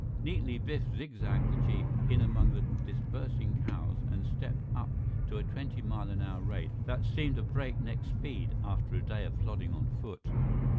Neatly, Biff zigzagged the jeep in among the dispersing cows and stepped up to a twenty mile an hour rate that seemed a break neck speed after a day of plodding on foot.